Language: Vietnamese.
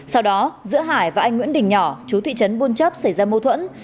sau đó giữa hải và anh nguyễn đình nhỏ chú thị trấn buôn chấp xảy ra mâu thuẫn